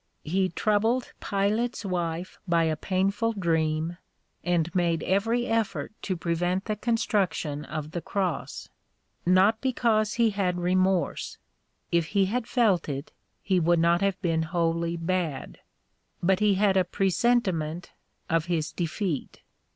He troubled Pilate s wife by a painful dream, and made every effort to prevent the con struction of the Cross. Not because he had remorse ; if he had felt it, he would not have been wholly bad ; but he had a presentiment of his defeat.